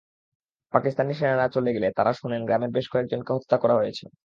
পাকিস্তানি সেনারা চলে গেলে তাঁরা শোনেন, গ্রামের বেশ কয়েকজনকে হত্যা করা হয়েছে।